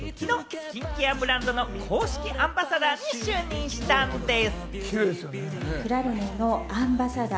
きのう、スキンケアブランドの公式アンバサダーに就任したんでぃす。